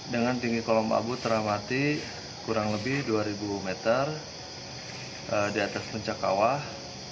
dengan tinggi kolom abu teramati kurang lebih dua ribu meter di atas puncak kawah